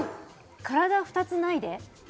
体２つ、ないで。